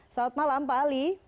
selamat malam pak ali